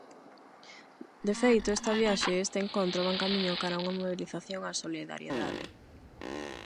De feito, esta viaxe e este encontro van camiño cara a unha mobilización á solidariedade.